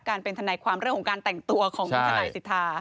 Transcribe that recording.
เป็นทนายความเรื่องของการแต่งตัวของทนายสิทธา